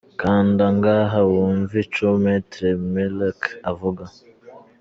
Kanda ngaha wumve ico Maitre Meillac avuga.